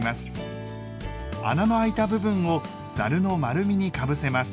穴のあいた部分をざるの丸みにかぶせます。